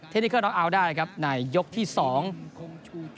เทคนิคเครื่องล็อคอัลได้ครับในยกที่สอง